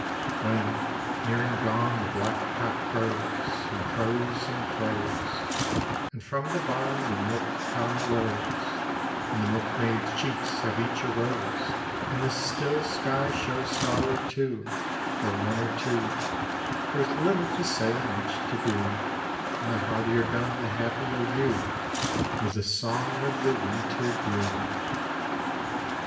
III. When, nearing dawn, the black cock crows, And crows, and crows; And from the barn the milch cow lows; And the milkmaid's cheeks have each a rose, And the still skies show a star or two, Or one or two; There is little to say, and much to do, And the heartier done the happier you, With a song of the winter, dearie.